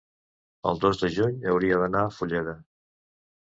el dos de juny hauria d'anar a Fulleda.